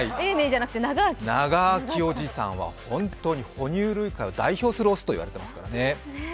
ながあきおじさんは本当に哺乳類界を代表する雄と言われていますからね。